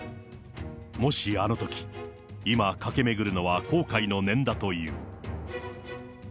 もしあのとき、今駆け巡るのは、後悔の念だという。